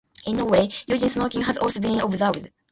In Norway, using snorkeling has also been observed.